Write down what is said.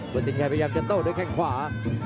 สินชัยพยายามจะโต้ด้วยแข้งขวา